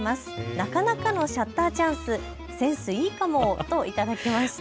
なかなかのシャッターチャンス、センスいいかもと頂きました。